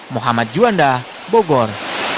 muhammad juanda bogor